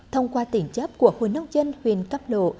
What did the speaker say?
thông qua tiền chấp của hồ nông dân huyện cắp lộ